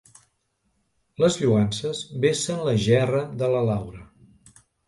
Les lloances vessen la gerra de la Laura.